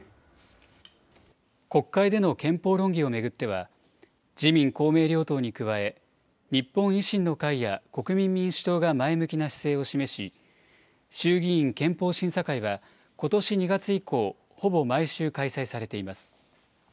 国会での憲法論議を巡っては、自民、公明両党に加え、日本維新の会や国民民主党が前向きな姿勢を示し、衆議院憲法審査会は、ことし２月以降、ほぼ毎週開催されています。